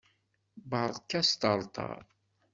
Berka asṭerṭer!